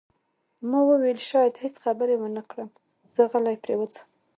ما وویل: شاید هیڅ خبرې ونه کړم، زه غلی پرېوځم.